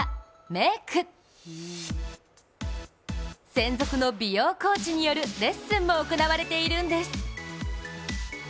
専属の美容コーチによるレッスンも行われているんです。